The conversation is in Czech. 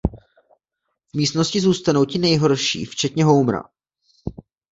V místnosti zůstanou ti nejhorší včetně Homera.